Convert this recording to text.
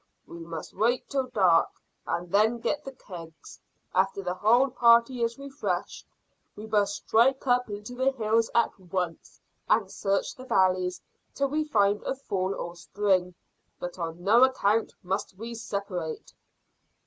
"We must wait till dark, and then get the kegs. After the whole party is refreshed, we must strike up into the hills at once and search the valleys till we find a fall or spring, but on no account must we separate."